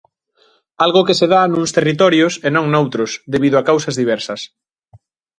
Algo que se dá nuns territorios e non noutros, debido a causas diversas.